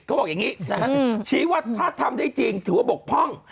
ก็บอกอย่างนี้นะฮะชี้วัฒนธรรมได้จริงถือว่าบกพร่อง